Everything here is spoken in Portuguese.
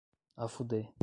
Afudê